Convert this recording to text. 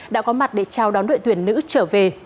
đã có mặt để chào đón đội tuyển nữ trở về